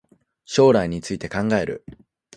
将来について考える